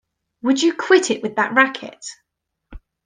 Would you quit it with that racket!